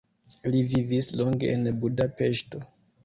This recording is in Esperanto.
Li vivis longe en Budapeŝto.